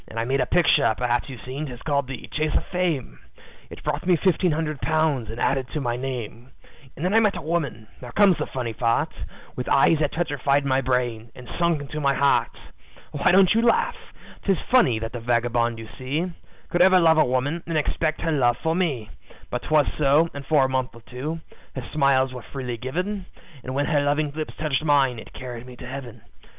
"I made a picture perhaps you've seen, 'tis called the `Chase of Fame.' It brought me fifteen hundred pounds and added to my name, And then I met a woman now comes the funny part With eyes that petrified my brain, and sunk into my heart. "Why don't you laugh? 'Tis funny that the vagabond you see Could ever love a woman, and expect her love for me; But 'twas so, and for a month or two, her smiles were freely given, And when her loving lips touched mine, it carried me to Heaven.